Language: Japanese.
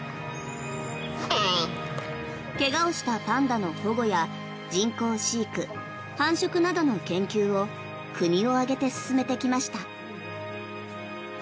怪我をしたパンダの保護や人工飼育、繁殖などの研究を国を挙げて進めてきました。